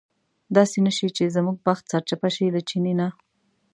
داسې نه شي چې زموږ بخت سرچپه شي له چیني نه.